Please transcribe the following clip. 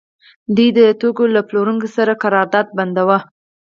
دوی د توکو له پلورونکو سره قرارداد بنداوه